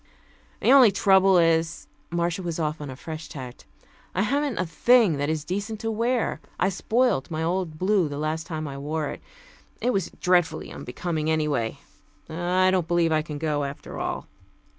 "The only trouble is," Marcia was off on a fresh tack, "I haven't a thing that is decent to wear. I spoiled my old blue the last time I wore it. It was dreadfully unbecoming, anyway. I don't believe I can go, after all."